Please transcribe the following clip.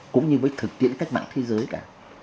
cũng như với thực tiễn cách mạng thế giới cả